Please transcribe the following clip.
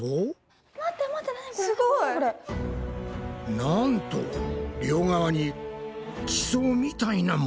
すごい！なんと両側に地層みたいなものが！